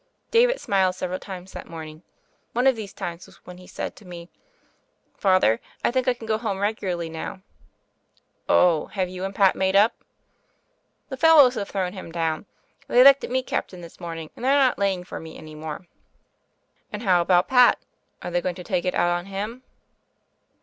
David smiled several times that morning. One of these times was when he said to me : "Father, I think I can go home regularly now." "Oh, have you and Pat made up?" "The fellers have thrown him down. They elected me Captain this morning, and they're not laying for me any more." "And how about Fat? Are they going to take it out on him?"